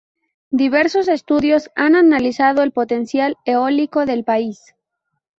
Diversos estudios han analizado el potencial eólico del país.